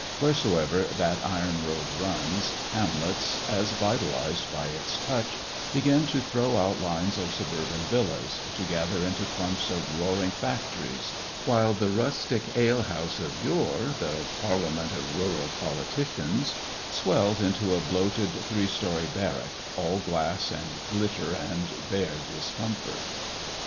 Wheresoever that iron road runs, hamlets, as vitalized by its touch, begin to throw out lines of suburban villas, to gather into clumps of roaring factories ; while the rustic alehouse, of yore the parliament of rural politicians, swells into a bloated, three storey blirrack, all glass, and glitter, and bare discomfort.